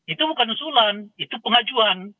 itu bukan usulan itu pengajuan